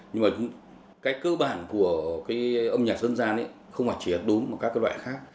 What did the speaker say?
nhưng mà cái cơ bản của cái âm nhạc dân gian ấy không phải chỉ hát đúng mà các loại khác